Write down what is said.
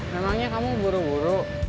namanya kamu buru buru